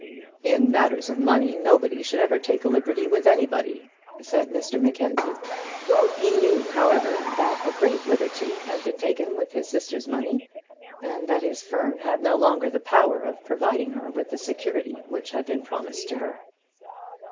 "In matters of money nobody should ever take a liberty with anybody," said Mr Mackenzie. He knew, however, that a great liberty had been taken with his sister's money, and that his firm had no longer the power of providing her with the security which had been promised to her.